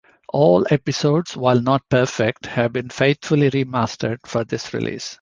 All episodes, while not perfect, have been faithfully remastered for this release.